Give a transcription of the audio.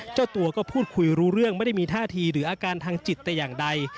เจ้าตัวก็พูดคุยรู้เรื่องไม่ได้มีท่าทีหรืออาการทางจิตแต่อย่างใด